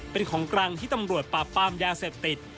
เป็นของกลางที่ตำรวจปราบปรามยาเสพติด